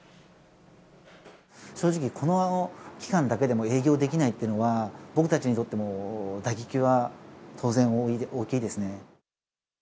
正直、この期間だけでも営業できないっていうのは、僕たちにとっても打撃は当然、大きいですね。